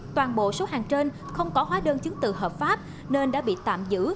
toàn bộ số hàng trên không có hóa đơn chứng từ hợp pháp nên đã bị tạm giữ